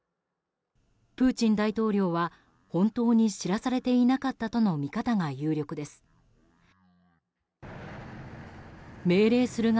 プーチン大統領は本当に知らされていなかったとの見方が有力です。